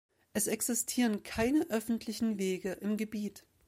Es existieren keine öffentlichen Wege im Gebiet.